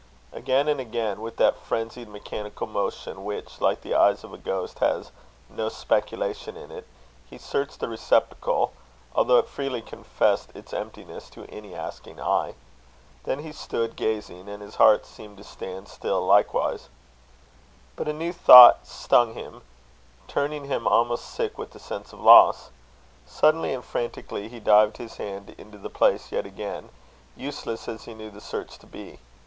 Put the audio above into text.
Again and again, with that frenzied, mechanical motion, which, like the eyes of a ghost, has "no speculation" in it, he searched the receptacle, although it freely confessed its emptiness to any asking eye. Then he stood gazing, and his heart seemed to stand still likewise. But a new thought stung him, turning him almost sick with a sense of loss. Suddenly and frantically he dived his hand into the place yet again, useless as he knew the search to be.